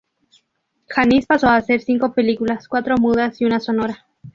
Janis pasó a hacer cinco películas: cuatro mudas y una sonora.